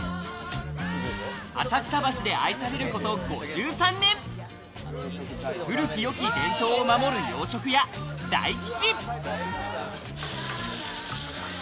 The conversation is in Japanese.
浅草橋で愛されること５３年、古き良き伝統を守る洋食屋、大吉。